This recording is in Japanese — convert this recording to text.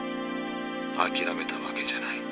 「あきらめたわけじゃない。